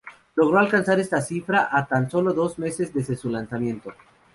Logró alcanzar esta cifra a tan solo dos meses desde su lanzamiento.